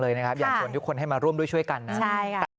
อยากชวนทุกคนให้มาร่วมด้วยช่วยกันนะ